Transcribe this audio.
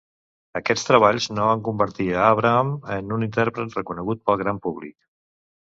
Aquests treballs no van convertir a Abraham en un intèrpret reconegut pel gran públic.